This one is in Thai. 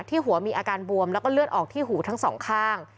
ที่หัวมีอาการบวมแล้วก็เลือดออกที่หูทั้งสองข้าง